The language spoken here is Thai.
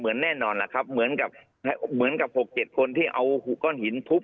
เหมือนแน่นอนแหละครับเหมือนกับเหมือนกับหกเจ็ดคนที่เอาก้อนหินพุบ